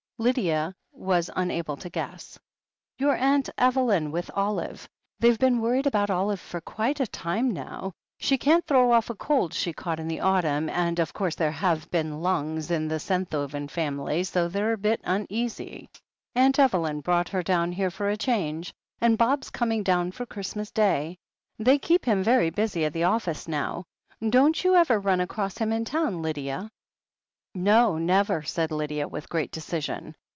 Lydia was unable to guess. "Your Aunt Evelyn, with Olive. They've been worried about Olive for quite a time now — she can't throw off a cold she caught in the auttmin, and, of course, there have been Itmgs in the Senthoven family, so they're a bit uneasy. Atmt Evelyn brought her down here for a change, and Bob's coming down for Christmas Day. They keep him very busy at the office now. Don't you ever run across him in town, Lydia?" "No, never," said Lydia, with great decision.